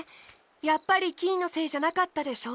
やっぱりキイのせいじゃなかったでしょ？